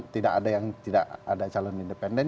tidak ada yang tidak ada calon independen